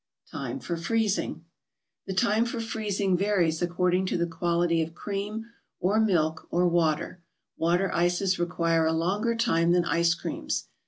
TIME FOR FREEZING The time for freezing varies according to the quality of cream or milk or water; water ices require a longer time than ice creams.